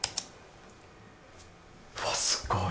わっ、すごい。